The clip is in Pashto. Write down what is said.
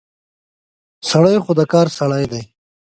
سړی خو د کار سړی دی.